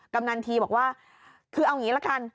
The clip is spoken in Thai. กำนันทีบอกว่าคือเอางี้ละกัน